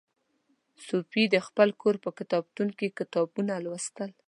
صوفي د خپل کور په کتابتون کې کتابونه لوستل.